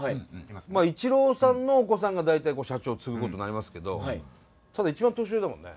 まあ逸郎さんのお子さんが大体社長を継ぐことになりますけどただ一番年上だもんね。